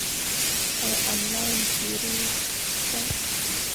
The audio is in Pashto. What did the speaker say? آیا آنلاین پیرود شته؟